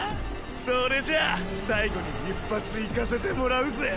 それじゃあ最後に一発いかせてもらうぜぇ。